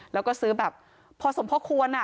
แล้วก็ซื้อแบบพอสมควร